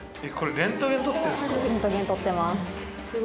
レントゲンとってます。